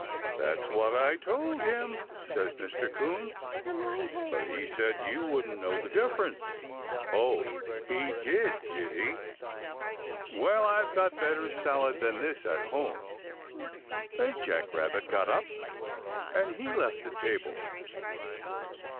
"That's what I told him," says Mr. 'Coon, "but he said you wouldn't know the difference." "Oh, he did, did he? Well, I've got better salad than this at home," and Jack Rabbit he got up and he left the table.